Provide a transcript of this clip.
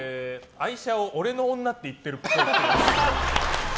愛車を俺の女って言ってるっぽい。